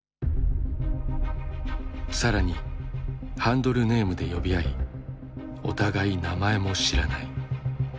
更にハンドルネームで呼び合いお互い名前も知らない。